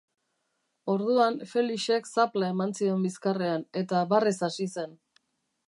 Orduan Felixek zapla eman zion bizkarrean, eta barrez hasi zen.